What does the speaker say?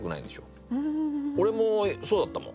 俺もそうだったもん。